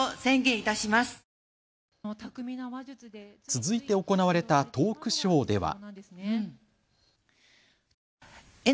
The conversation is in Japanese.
続いて行われたトークショーでは。